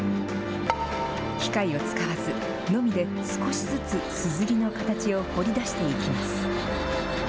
機械を使わずのみで少しずつすずりの形を掘り出していきます。